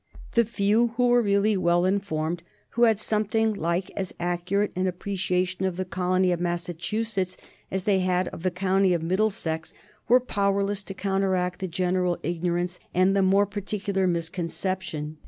The few who were really well informed, who had something like as accurate an appreciation of the colony of Massachusetts as they had of the county of Middlesex, were powerless to counteract the general ignorance and the more particular misconception.